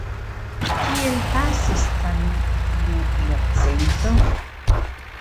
Kiel pasis tra ni tiu jarcento?